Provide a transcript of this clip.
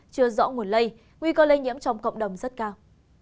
chưa rõ nguồn lây nguy cơ lây nhiễm trong cộng đồng rất cao